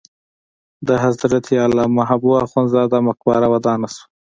د حضرت علامه حبو اخند زاده مقبره ودانه شوه.